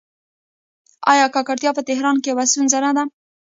آیا ککړتیا په تهران کې یوه ستونزه نه ده؟